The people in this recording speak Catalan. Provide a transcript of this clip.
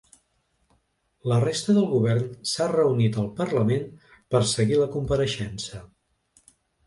La resta del govern s’ha reunit al parlament per a seguir la compareixença.